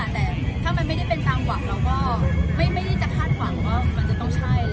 แต่ถ้ามันไม่ได้เป็นตามหวังเราก็ไม่ได้จะคาดหวังว่ามันจะต้องใช่